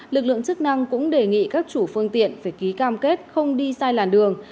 lực lượng chức năng cũng đề nghị các chủ phương tiện phải ký cam kết không đi sai làn đường